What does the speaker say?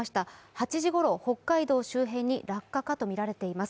８時ごろ、北海道周辺に落下かとみられています。